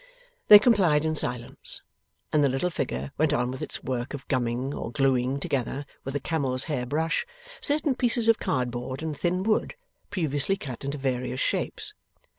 They complied in silence, and the little figure went on with its work of gumming or gluing together with a camel's hair brush certain pieces of cardboard and thin wood, previously cut into various shapes.